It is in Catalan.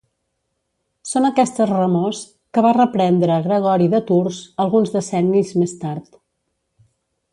Són aquestes remors que va reprendre Gregori de Tours, alguns decennis més tard.